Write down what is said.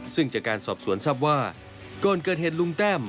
ซึ่งจากการสอบสวนทรัพย์ว่าก่อนเกิดเหตุลุงแต้ม